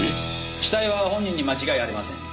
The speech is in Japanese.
死体は本人に間違いありません。